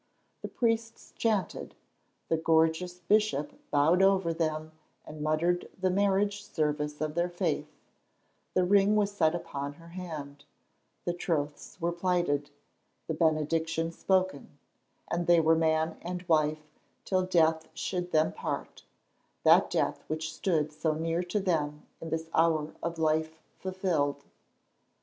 The priests chanted, the gorgeous bishop bowed over them and muttered the marriage service of their faith, the ring was set upon her hand, the troths were plighted, the benediction spoken, and they were man and wife till death should them part, that death which stood so near to them in this hour of life fulfilled.